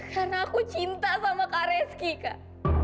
karena aku cinta sama kak reski kak